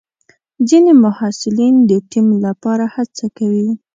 ځینې محصلین د ټیم لپاره هڅه کوي.